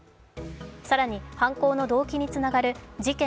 更に、犯行の動機につながる事件